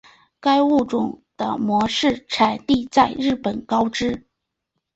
该物种的模式产地在日本高知。